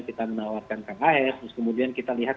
kita menawarkan kang ahr terus kemudian kita lihat